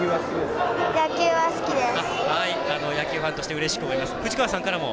野球ファンとしてうれしく思います。